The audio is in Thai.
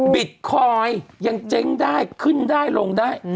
บิตคอยน์ยังเจ๊งได้ขึ้นได้ลงได้